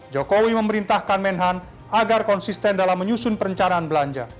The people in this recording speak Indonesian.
jokowi memerintahkan menhan agar konsisten dalam menyusun perencanaan belanja